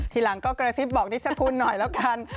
ทีหลังก็กระซิบบอกนิชคุณหน่อยแล้วกัน